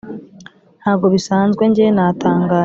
ntago bisanzwe njyewe natangaye